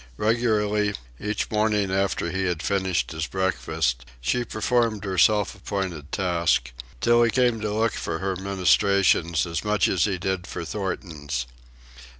Regularly, each morning after he had finished his breakfast, she performed her self appointed task, till he came to look for her ministrations as much as he did for Thornton's.